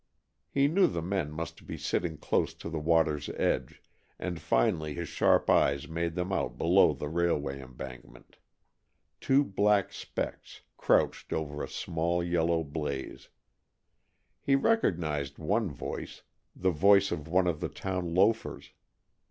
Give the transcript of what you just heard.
He knew the men must be sitting close to the water's edge, and finally his sharp eyes made them out below the railway embankment two black specks crouched over a small, yellow blaze. He recognized one voice, the voice of one of the town loafers.